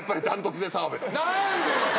何でよ！